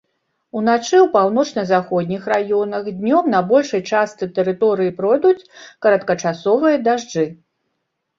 Уначы ў паўночна-заходніх раёнах, днём на большай частцы тэрыторыі пройдуць кароткачасовыя дажджы.